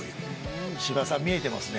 柴さん見えてますね。